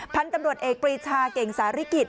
พันธุ์ตำรวจเอกปรีชาเก่งสาริกิจ